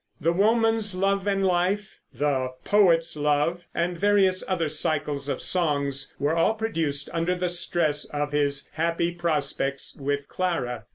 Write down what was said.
The "Woman's Love and Life," the "Poet's Love," and various other cycles of song, were all produced under the stress of his happy prospects with Clara.